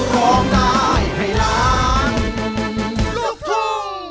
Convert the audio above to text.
ร้องได้ให้ล้านลูกทุ่ง